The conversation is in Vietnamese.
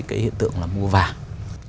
cái hiện tượng là mua vàng